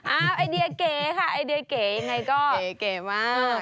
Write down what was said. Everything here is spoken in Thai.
ไอเดียเก๋ค่ะไอเดียเก๋ยังไงก็เก๋มาก